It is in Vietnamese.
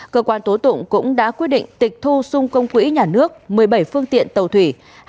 cơ quan tố tụng cũng đã quyết định tịch thu xung công quỹ nhà nước một mươi bảy phương tiện tàu thủy